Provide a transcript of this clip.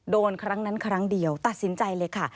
ครั้งนั้นครั้งเดียวตัดสินใจเลยค่ะ